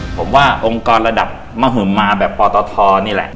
ผมว่าองค์กรระดับมหมมาแบบปตทนี่แหละ